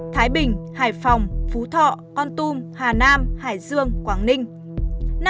thái bình hải phòng phú thọ con tum hà nam hải dương quảng ninh